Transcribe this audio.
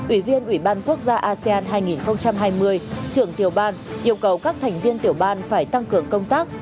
ủy viên ủy ban quốc gia asean hai nghìn hai mươi trưởng tiểu ban yêu cầu các thành viên tiểu ban phải tăng cường công tác